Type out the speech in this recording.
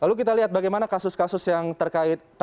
lalu kita lihat bagaimana kasus kasus ini berlaku di afghanistan